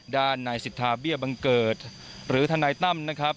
ด้านนายสิทธาเบี้ยบังเกิดหรือทนายตั้มนะครับ